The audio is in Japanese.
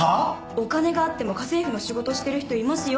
お金があっても家政婦の仕事してる人いますよ。